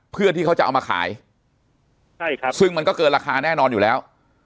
เพื่อที่เขาจะเอามาขายใช่ครับซึ่งมันก็เกินราคาแน่นอนอยู่แล้ว